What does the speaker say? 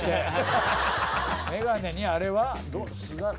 眼鏡にあれは何だ？